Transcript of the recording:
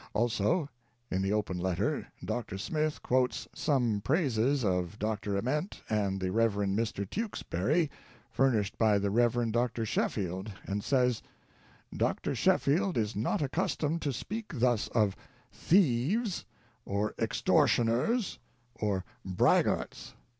Also, in the Open Letter, Dr. Smith quotes some praises of Dr. Ament and the Rev. Mr. Tewksbury, furnished by the Rev. Dr. Sheffield, and says: "Dr. Sheffield is not accustomed to speak thus of thieves, or extor tioners, or braggarts."